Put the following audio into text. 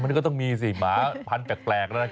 มันก็ต้องมีสิหมาพันธุ์แปลกนะ